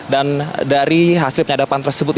dan dari hasil penyadapan tersebut